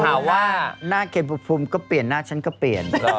ถามว่าหน้าเขนกลับพุ่มก็เปลี่ยนหน้าฉันก็เปลี่ยน